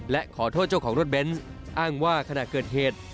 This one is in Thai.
และขอโทษเจ้าของรถเบนส์อ้างว่าขณะเกิดเหตุ